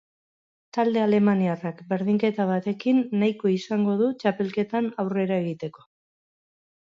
Talde alemaniarrak berdinketa batekin nahiko izango du, txapelketan aurrera egiteko.